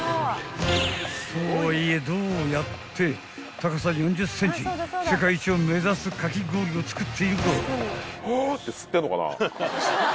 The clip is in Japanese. ［とはいえどうやって高さ４０ｃｍ世界一を目指すかき氷を作っているか？］